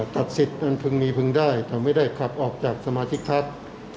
ตัดสิทธิ์อันพึงมีพึงได้แต่ไม่ได้ขับออกจากสมาชิกพัก